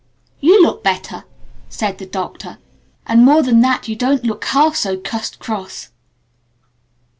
"You look better!" said the Doctor. "And more than that you don't look half so 'cussed cross'."